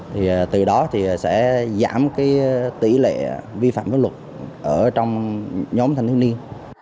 thì từ đó thì sẽ giảm cái tỷ lệ vi phạm pháp luật ở trong nhóm thanh thiếu niên